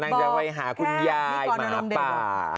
จะไปหาคุณยายหมาป่า